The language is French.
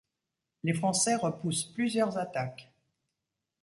Les Français repoussent plusieurs attaques.